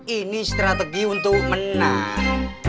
ini strategi untuk menang